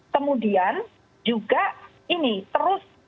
kemudian juga ini terus